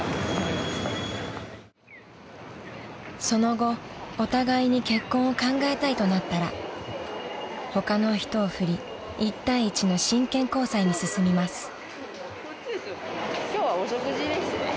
［その後お互いに結婚を考えたいとなったら他の人を振り１対１の真剣交際に進みます］